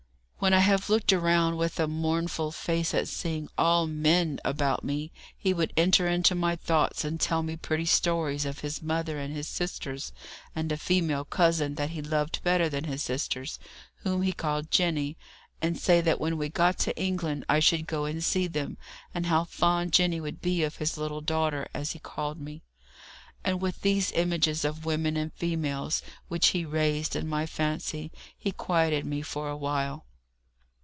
When I have looked around with a mournful face at seeing all men about me, he would enter into my thoughts, and tell me pretty stories of his mother and his sisters, and a female cousin that he loved better than his sisters, whom he called Jenny, and say that when we got to England I should go and see them, and how fond Jenny would be of his little daughter, as he called me; and with these images of women and females which he raised in my fancy he quieted me for a while.